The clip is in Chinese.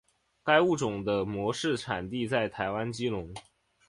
该物种的模式产地在台湾基隆。